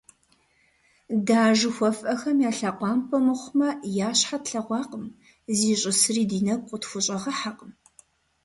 Дэ а жыхуэфӀэхэм я лъэкъуампӀэ мыхъумэ, я щхьэ тлъэгъуакъым, зищӀысри ди нэгу къытхущӀэгъэхьэкъым.